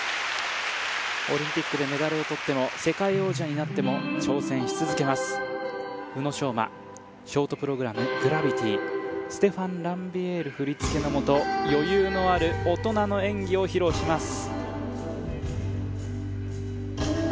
オリンピックでメダルを取っても世界王者になっても挑戦し続けます宇野昌磨ショートプログラムＧｒａｖｉｔｙステファン・ランビエール振り付けのもと余裕のある大人の演技を披露します